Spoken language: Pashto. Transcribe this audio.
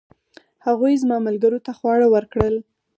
هغوی زما ملګرو ته خواړه ورکړل.